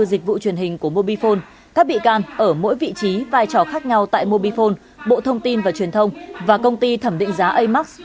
dịch vụ truyền hình của mobifone các bị can ở mỗi vị trí vai trò khác nhau tại mobifone bộ thông tin và truyền thông và công ty thẩm định giá amax